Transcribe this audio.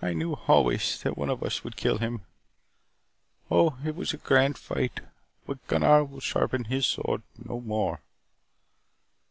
I knew always that one of us would kill him. Oh, it was a grand fight. But Gunnar will sharpen his sword no more.